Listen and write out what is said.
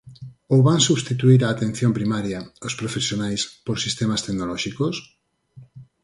¿Ou van substituír a atención primaria, os profesionais, por sistemas tecnolóxicos?